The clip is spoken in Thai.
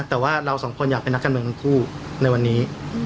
แต่ว่าเราสองคนอยากเป็นนักการเมืองทั้งคู่ในวันนี้